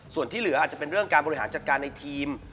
ส่วนที่เหลืออาจจะเป็นเรื่องการบริหารจัดการในทีม